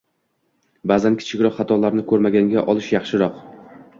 Ba’zan kichikroq xatolarni ko‘rmaganga olish yaxshiroq.